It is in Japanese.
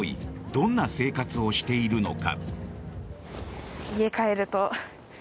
どんな生活をしているのか。